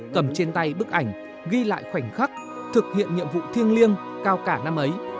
cầm trên tay bức ảnh ghi lại khoảnh khắc thực hiện nhiệm vụ thiêng liêng cao cả năm ấy